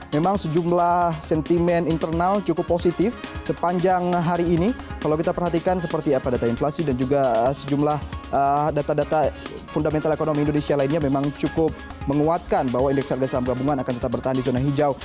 memang sejumlah sentimen internal cukup positif sepanjang hari ini kalau kita perhatikan seperti apa data inflasi dan juga sejumlah data data fundamental ekonomi indonesia lainnya memang cukup menguatkan bahwa indeks harga saham gabungan akan tetap bertahan di zona hijau